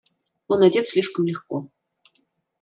Он одет слишком легко.